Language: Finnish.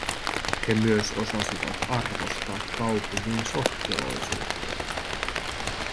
He myös osasivat arvostaa kaupungin sokkeloisuutta.